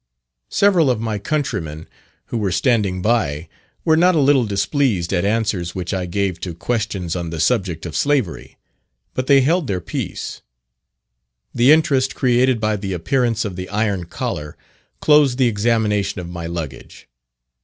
Several of my countrymen who were standing by, were not a little displeased at answers which I gave to questions on the subject of Slavery; but they held their peace. The interest created by the appearance of the Iron Collar, closed the examination of my luggage.